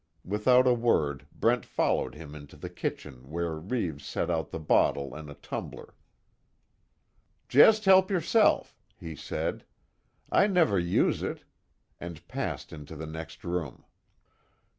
Without a word Brent followed him into the kitchen where Reeves set out the bottle and a tumbler: "Just help yourself," he said, "I never use it," and passed into the next room.